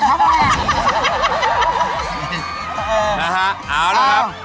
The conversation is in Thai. นะฮะเอานะครับ